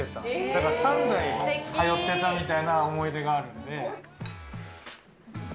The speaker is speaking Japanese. だから３代通ってたみたいな思い出があるので。